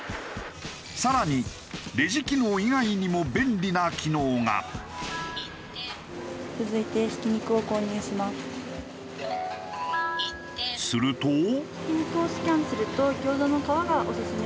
更にレジ機能以外にも便利な機能が。すると。